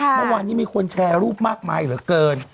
เมื่อวานนี้มีคนแชร์รูปมากมายเหลือเกิน